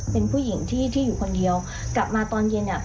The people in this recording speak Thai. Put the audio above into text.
เป็นผู้หญิงที่ที่อยู่คนเดียวกลับมาตอนเย็นอ่ะ